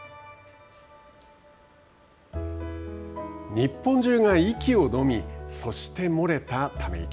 日本中が息をのみそして、漏れたため息。